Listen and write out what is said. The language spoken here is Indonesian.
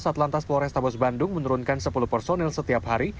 satu lantas polrestabos bandung menurunkan sepuluh personel setiap hari